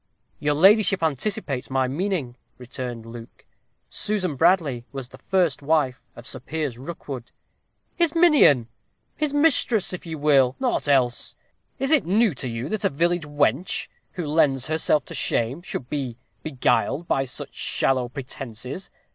"Your ladyship anticipates my meaning," returned Luke. "Susan Bradley was the first wife of Sir Piers Rookwood." "His minion his mistress if you will; nought else. Is it new to you, that a village wench, who lends herself to shame, should be beguiled by such shallow pretences?